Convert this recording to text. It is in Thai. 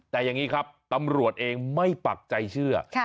แต่อย่างนี้ครับตำรวจเองไม่ปักใจเชื่อ